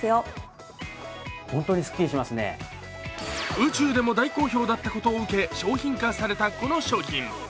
宇宙でも大好評だったことを受け商品化されたこの商品。